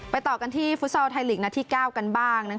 ต่อกันที่ฟุตซอลไทยลีกนัดที่๙กันบ้าง